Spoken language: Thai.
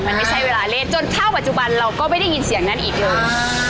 มันไม่ใช่เวลาเล่นจนเท่าปัจจุบันเราก็ไม่ได้ยินเสียงนั้นอีกเลย